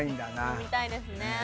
飲みたいですね。